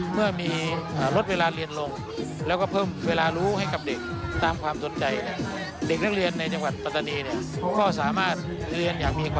ผู้ปกครองก็มีความคุ้นความใจ